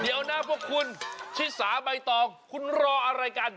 เดี๋ยวนะพวกคุณชิสาใบตองคุณรออะไรกัน